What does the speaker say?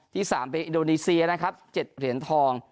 ที่๓เป็นอินโดนีเซียนะครับ๗เหรียญทอง